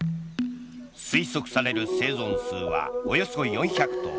推測される生存数はおよそ４００頭。